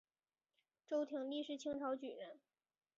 周廷励是清朝举人。